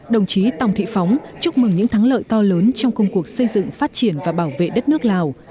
đồng chí tòng thị phóng chúc mừng những thắng lợi to lớn trong công cuộc xây dựng phát triển và bảo vệ đất nước lào